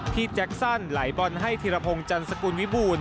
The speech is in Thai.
พี่แจ็คซันไหลบอลให้ธิรพงษ์จันทร์สกุลวิบูล